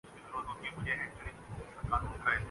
یقین رکھتا ہوں کے لوگوں کو اپنی مدد آپ کرنی چاھیے